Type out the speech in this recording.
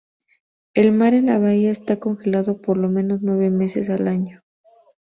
El mar en la bahía está congelado por lo menos nueve meses al año.